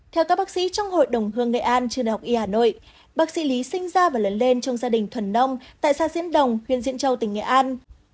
theo các bác sĩ trong hội đồng hương nghệ an trường đại học y hà nội bác sĩ lý sinh ra và lớn lên trong gia đình thuần nông tại xã diễn đồng huyện diễn châu tỉnh nghệ an